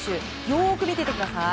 よく見ててください。